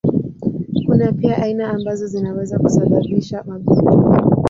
Kuna pia aina ambazo zinaweza kusababisha magonjwa.